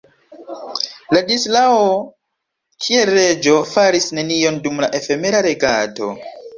Ladislao, kiel reĝo, faris nenion dum la efemera regado.